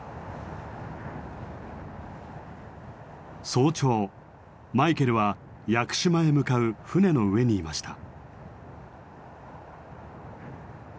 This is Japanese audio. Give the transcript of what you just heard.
早朝マイケルは屋久島へ向かう船の上にいました。